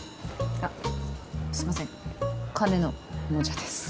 あっすいません金野モジャです。